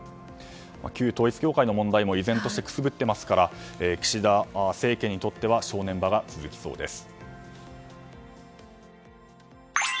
旧統一教会の問題も依然としてくすぶっていますから岸田政権にとっては正念場が続きそうです。